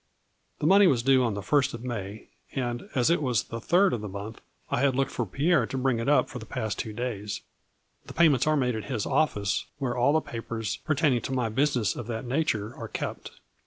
The money was due on the first of May and, as it was the third of the month, I had looked for Pierre to bring it up for the past two days. The payments are made at his office, where all the papers pertain ing to my business of that nature are kept.